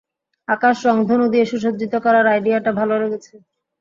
আকাশ রংধনু দিয়ে সুসজ্জিত করার আইডিয়াটা ভালো লেগেছে।